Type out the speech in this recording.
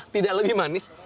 tidak lebih manis